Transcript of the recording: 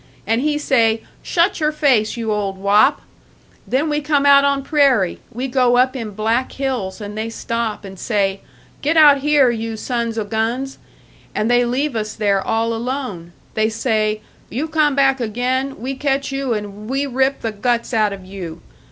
And he say, 'Shut your face, you old wop!' Then we come out on prairie, we go up in Black Hills, and they stop, and say, 'Get out here, you sons o' guns.' And they leave us there all alone. They say, 'You come back again, we catch you and we rip the guts out of you!'